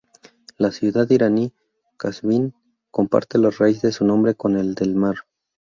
La ciudad iraní Qazvín comparte la raíz de su nombre con el del mar.